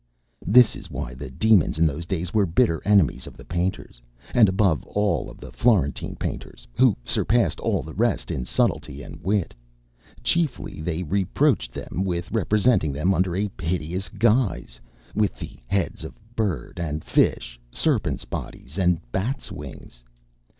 This is why the Demons in those days were bitter enemies of the painters, and above all of the Florentine painters, who surpassed all the rest in subtlety of wit. Chiefly they reproached them with representing them under a hideous guise, with the heads of bird and fish, serpents' bodies and bats' wings.